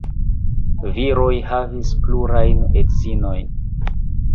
Viroj havis plurajn edzinojn.